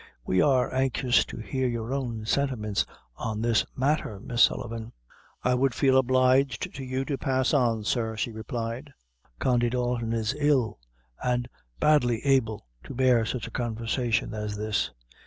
We are anxious to hear your own sentiments on this matter, Miss Sullivan." "I would feel obliged to you to pass on, sir," she replied; "Condy Dalton is ill, and badly able to bear sich a conversation as this."